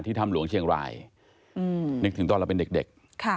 ถ้ำหลวงเชียงรายนึกถึงตอนเราเป็นเด็ก